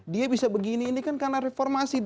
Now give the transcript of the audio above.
dia bisa begini ini kan karena reformasi